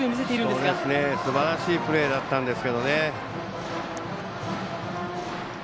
すばらしいプレーだったんですが。